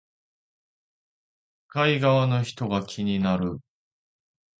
向かい側の人が気になる